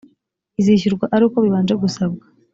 izishyurwa ari uko bibanje gusabwa